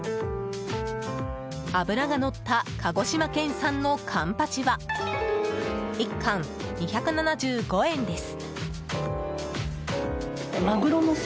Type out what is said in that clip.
脂がのった鹿児島県産のカンパチは１貫２７５円です。